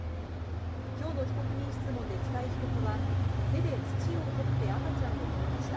きょうの被告人質問で北井被告は手で土を掘って埋めました。